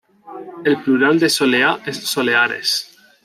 El plural de soleá es "soleares".